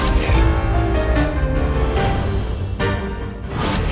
yang tadi di tangan itu loh